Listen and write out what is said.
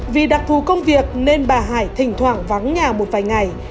vì đặc thù công việc nên bà hải thỉnh thoảng vắng nhà một vài ngày